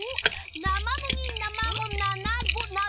なまむぎなまごななご。